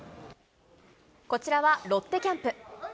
こちらはロッテキャンプ。